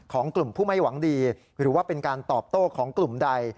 ของกลุ่มผู้ไม่หวังดีหรือว่าเป็นการตอบโต้ของกลุ่มใด